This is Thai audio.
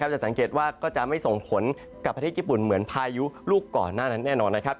จะสังเกตว่าก็จะไม่ส่งผลกับประเทศญี่ปุ่นเหมือนพายุลูกก่อนหน้านั้นแน่นอนนะครับ